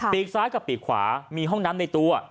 กซ้ายกับปีกขวามีห้องน้ำในตัว